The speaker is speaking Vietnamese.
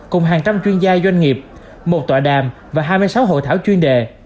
cùng hàng trăm chuyên gia doanh nghiệp một tọa đàm và hai mươi sáu hội thảo chuyên đề